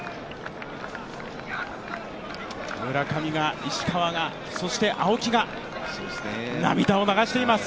村上が、石川が、そして青木が涙を流しています。